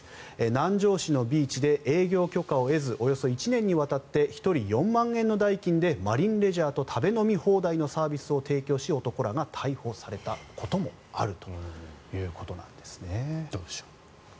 南城市のビーチで営業許可を得ずおよそ１年にわたって１人４万円の代金でマリンレジャーと食べ飲み放題のサービスを提供し、男らが逮捕されたこともあるということなんですね。